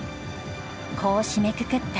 こう締めくくった。